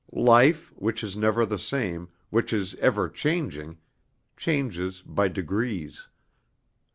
Life, which is never the same, which is ever changing, changes by degrees.